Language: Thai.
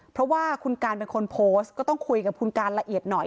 เพราะว่าคุณการเป็นคนโพสต์ก็ต้องคุยกับคุณการละเอียดหน่อย